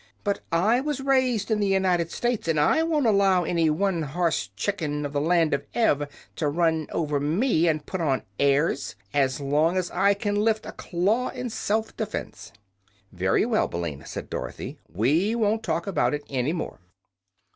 But I was raised in the United States, and I won't allow any one horse chicken of the Land of Ev to run over me and put on airs, as long as I can lift a claw in self defense." "Very well, Billina," said Dorothy. "We won't talk about it any more."